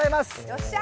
よっしゃ！